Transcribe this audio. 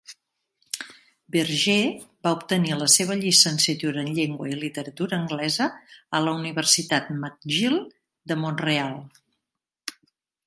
Verjee va obtenir la seva llicenciatura en Llengua i Literatura Anglesa a la Universitat McGill de Mont-real.